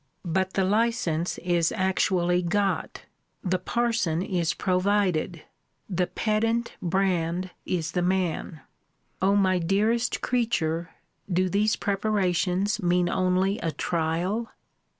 But the license is actually got: the parson is provided: the pedant Brand is the man. O my dearest creature, do these preparations mean only a trial?